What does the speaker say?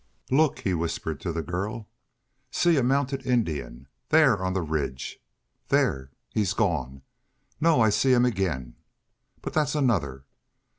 "Look!" he whispered to the girl. "See, a mounted Indian, there on the ridge there, he's gone no, I see him again. But that's another.